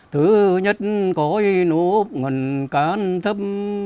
thứ nhất cõi nộp ngần cán thâm